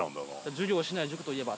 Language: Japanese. ・「授業をしない塾といえば」。